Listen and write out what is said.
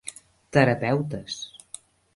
Terapeutes.